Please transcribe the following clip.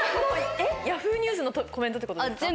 Ｙａｈｏｏ！ニュースのコメントってこと？